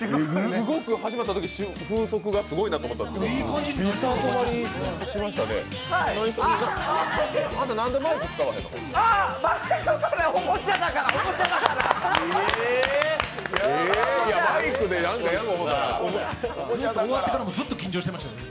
すごく始まったとき風速がすごいなと思ったんですけどビタ止まりしましたね。